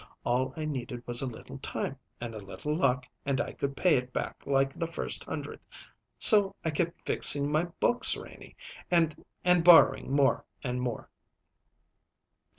All I needed was a little time and a little luck and I could pay it back like the first hundred; so I kept fixing my books, Renie, and and borrowing more and more."